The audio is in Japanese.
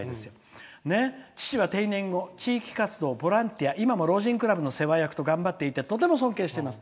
父は定年後、地域活動老人活動の世話役と頑張っていてとても尊敬しています」。